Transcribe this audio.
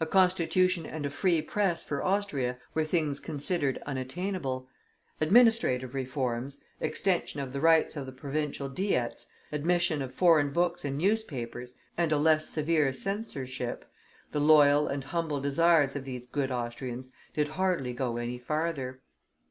A Constitution and a free press for Austria were things considered unattainable; administrative reforms, extension of the rights of the Provincial Diets, admission of foreign books and newspapers, and a less severe censorship the loyal and humble desires of these good Austrians did hardly go any farther.